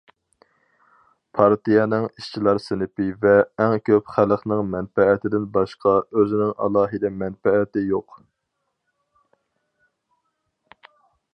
پارتىيەنىڭ ئىشچىلار سىنىپى ۋە ئەڭ كۆپ خەلقنىڭ مەنپەئەتىدىن باشقا ئۆزىنىڭ ئالاھىدە مەنپەئەتى يوق.